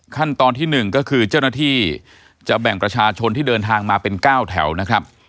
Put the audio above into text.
ขั้นตอนที่๑ก็คือเจ้าหน้าที่จะแบ่งประชาชนที่เดินทางมาเป็น๙แถวนะครับ